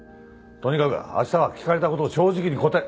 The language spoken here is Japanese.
とにかく明日は聞かれた事を正直に答え。